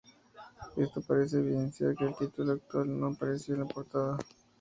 Esto parece evidenciar que el título actual no aparecía en la portada.